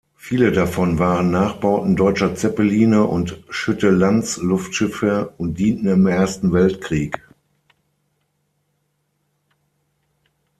Viele davon waren Nachbauten deutscher Zeppeline und Schütte-Lanz-Luftschiffe und dienten im Ersten Weltkrieg.